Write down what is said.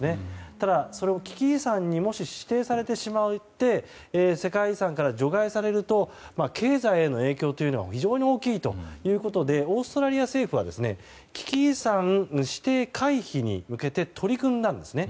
ただ、危機遺産に指定されてしまって世界遺産から除外されると経済への影響というのは非常に大きいということでオーストラリア政府は危機遺産、指定回避に向けて取り組んだんですね。